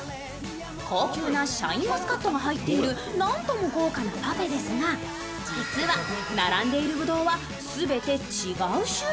高級なシャインマスカットが入っているなんとも豪華なパフェですが実は、並んでいるぶどうは全て違う種類。